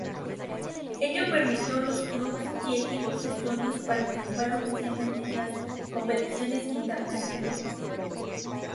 Ello permitió a los clubes y equipos estonios participar oficialmente en las competiciones internacionales.